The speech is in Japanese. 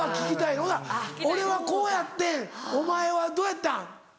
ほんなら「俺はこうやってんお前はどうやったん？」。